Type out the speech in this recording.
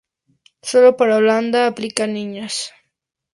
Solo para Holanda aplican niñas.